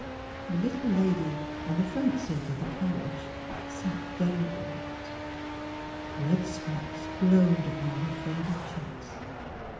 The little lady on the front seat oi the carriage sat very erect; red spots glowed upon her faded cheeks.